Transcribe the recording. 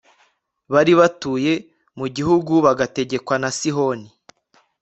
bari batuye mu gihugu bagategekwa na sihoni